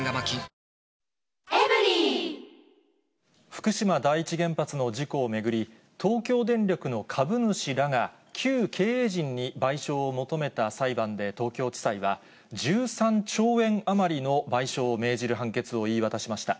福島第一原発の事故を巡り、東京電力の株主らが旧経営陣に賠償を求めた裁判で東京地裁は、１３兆円余りの賠償を命じる判決を言い渡しました。